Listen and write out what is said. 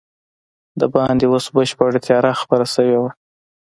دباندې اوس بشپړه تیاره خپره شوې وه.